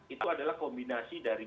itu adalah kombinasi dari